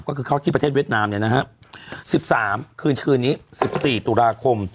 ก็คือเข้าที่ประเทศเวียดนามเนี่ยนะฮะ๑๓คืนคืนนี้๑๔ตุลาคม